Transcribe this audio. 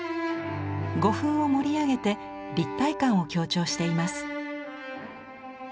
胡粉を盛り上げて立体感を強調しています。